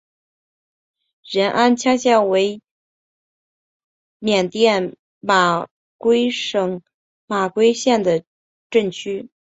仁安羌镇为缅甸马圭省马圭县的镇区。